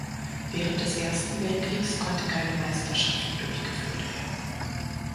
Während des Ersten Weltkriegs konnte keine Meisterschaft durchgeführt werden.